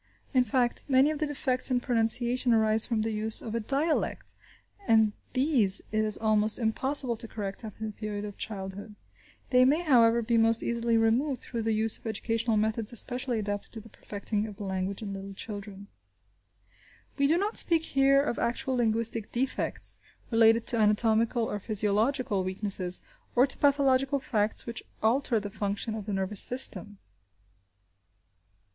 In fact, many of the defects in pronunciation arise from the use of a dialect, and these it is almost impossible to correct after the period of childhood. They may, however, be most easily removed through the use of educational methods especially adapted to the perfecting of the language in little children. We do not speak here of actual linguistic defects related to anatomical or physiological weaknesses, or to pathological facts which alter the function of the nervous system.